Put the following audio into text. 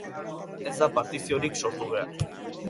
Ez da partiziorik sortu behar.